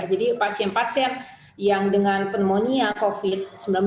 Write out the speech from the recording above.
pasien pasien yang dengan pneumonia covid sembilan belas